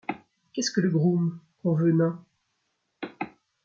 Qu’est-ce que le groom, qu’on veut nain ?